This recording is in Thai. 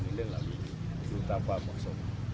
เรื่องเหล่านี้อยู่ตามความเหมาะสม